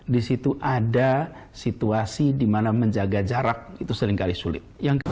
disitu ada situasi dimana menjaga jarak itu seringkali sulit